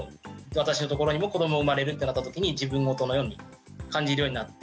私のところにも子ども生まれるってなった時に自分事のように感じるようになって。